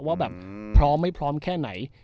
ว่าแบบพร้อมไม่พร้อมแค่ไหน